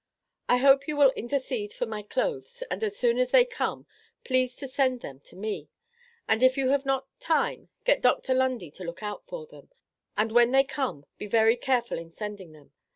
I hope you will intercede for my clothes and as soon as they come please to send them to me, and if you have not time, get Dr. Lundy to look out for them, and when they come be very careful in sending them.